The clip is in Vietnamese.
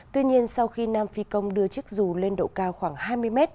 tuy nhiên sau khi nam phi công đưa chiếc dù lên độ cao khoảng hai mươi m